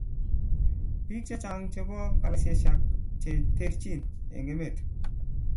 Bik chechang chebo kalaisiek che terchin eng emet